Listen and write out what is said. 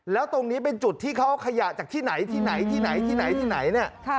แล้วตรงนี้เป็นจุดที่เขาขยะจากที่ไหนที่ไหนที่ไหนที่ไหน